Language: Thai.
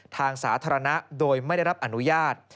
ทางสาธารณะโดยไม่ได้รับอนุญาต